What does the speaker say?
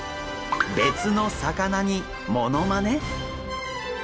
別の魚にモノマネ！？